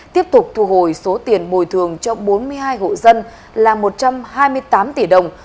tiếp tục thu hồi số tiền bồi thường cho bốn mươi hai hộ dân là một trăm hai mươi tám tỷ đồng